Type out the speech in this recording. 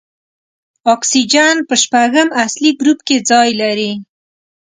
اکسیجن په شپږم اصلي ګروپ کې ځای لري.